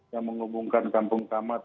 yang menghubungkan kampung kamat